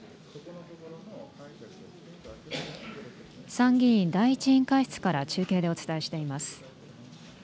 参議院第１委員会室から中継でお伝えしています。